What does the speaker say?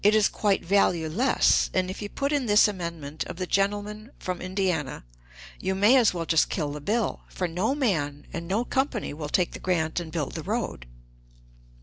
It is quite valueless; and if you put in this amendment of the gentleman from Indiana, you may as well just kill the bill, for no man and no company will take the grant and build the road."